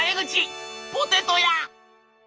「ポテト屋！」。